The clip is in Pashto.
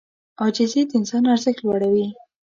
عاجزي د انسان ارزښت لوړوي.